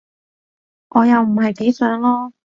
我又唔係幾想囉